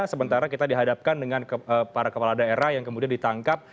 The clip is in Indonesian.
sementara kita dihadapkan dengan para kepala daerah yang kemudian ditangkap